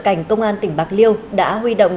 cảnh công an tỉnh bạc liêu đã huy động